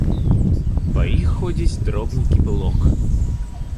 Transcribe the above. Па іх ходзіць дробненькі пылок.